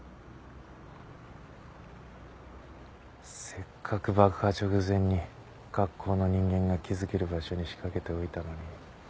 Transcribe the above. せっかく爆破直前に学校の人間が気付ける場所に仕掛けておいたのに。